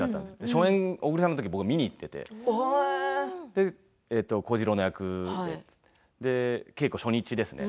初演、小栗さんのとき僕、見に行っていて小次郎の役、初日ですね。